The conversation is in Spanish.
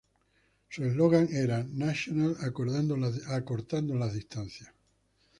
Su eslogan era "National, acortando las distancias".